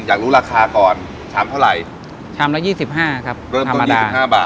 อยากรู้ราคาก่อนชามเท่าไหร่ชามละยี่สิบห้าครับเริ่มต้น๒๕บาท